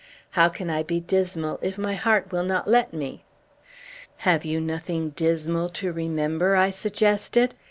How can I be dismal, if my heart will not let me?" "Have you nothing dismal to remember?" I suggested.